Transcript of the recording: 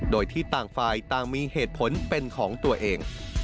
โดยที่ต่างฝ่ายต่างมีเหตุผลเป็นของตัวเอง